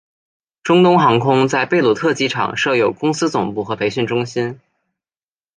中东航空在贝鲁特机场设有公司总部和培训中心。